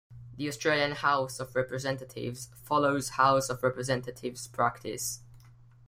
The Australian House of Representatives follows House of Representatives Practice.